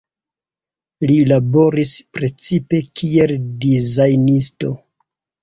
Li laboris precipe kiel dizajnisto.